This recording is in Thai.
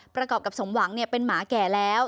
ประกอบกับสมหวังเป็นหมาแก่แล้ว